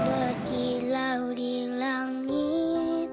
berkilau di langit